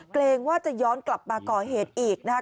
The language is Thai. เกรงว่าจะย้อนกลับมาก่อเหตุอีกนะครับ